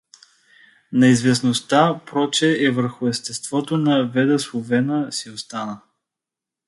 Неизвестността проче е върху естеството на Веда Словена си остана.